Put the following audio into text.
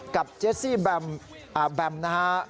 กับเจสซี่แบมแบมนะฮะ